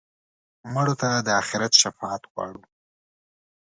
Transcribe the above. مړه ته د آخرت شفاعت غواړو